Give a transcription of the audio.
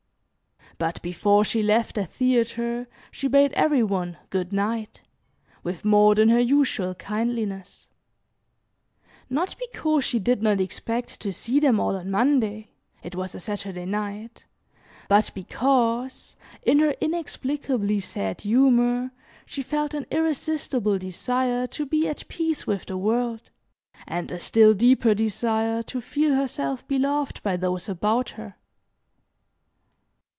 But before she left the theatre she bade every one "good night" with more than her usual kindliness, not because she did not expect to see them all on Monday, it was a Saturday night, but because, in her inexplicably sad humour, she felt an irresistible desire to be at peace with the world, and a still deeper desire to feel herself beloved by those about her.